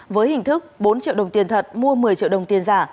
với hình thức bốn triệu đồng tiền thật mua một mươi triệu đồng tiền giả